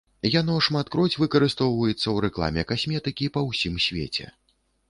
Яно шматкроць выкарыстоўваецца ў рэкламе касметыкі па ўсім свеце.